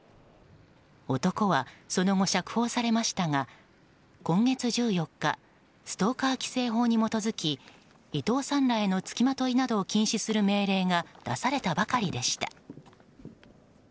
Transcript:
男はその後、釈放されましたが今月１４日ストーカー規制法に基づき伊藤さんらへの付きまといを禁止する命令が出されたばかりでした。